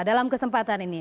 dalam kesempatan ini